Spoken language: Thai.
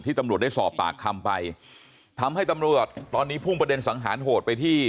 ตำรวจได้สอบปากคำไปทำให้ตำรวจตอนนี้พุ่งประเด็นสังหารโหดไปที่